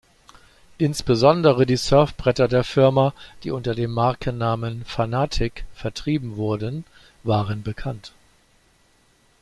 Insbesondere die Surfbretter der Firma, die unter dem Markennamen "Fanatic" vertrieben wurden, waren bekannt.